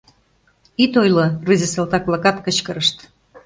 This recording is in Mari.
Ит ойло! — рвезе салтак-влакат кычкырышт.